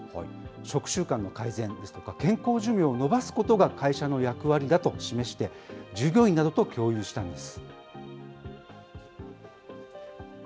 食習慣の改善ですとか、健康寿命を延ばすことが会社の役割だと示して、従業員などと共有したんです。